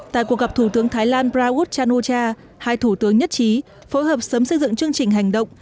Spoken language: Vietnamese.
tại cuộc gặp thủ tướng thái lan brawut chanwucha hai thủ tướng nhất trí phối hợp sớm xây dựng chương trình hành động